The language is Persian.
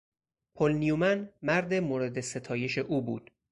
پل نیومن مرد مورد ستایش او بود.